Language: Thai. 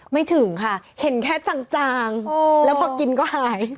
ไม่ถึงค่ะเห็นแค่จางแล้วพอกินก็หาย